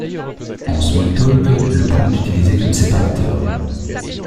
En smalltalk le point est utilisé comme séparateur.